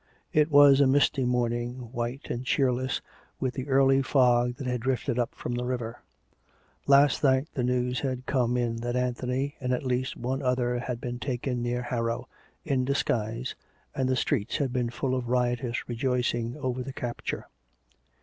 It was a misty morning, white and cheerless, with the early fog that had drifted up from the river. Last night the news had come in that Anthony and at least one other had been taken near Har row*", in disguise, and the streets had been full of riotous rejoicing over the capture.